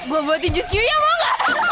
gue buatin jus kiwi mau gak